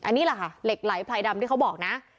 อันนี้แหละค่ะเหล็กไหลไพรดำที่เขาบอกนะ